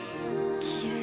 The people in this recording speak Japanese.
きれい。